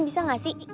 bisa gak sih